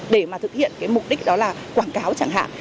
để mà thực hiện cái mục đích đó là quảng cáo chẳng hạn